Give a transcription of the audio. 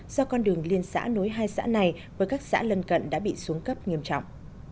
do con đường liên xã nối hai xã này với các xã lân cận đã bị xuống cấp nghiêm trọng